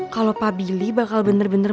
kalo pak billy bakal bener bener